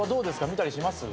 見たりします？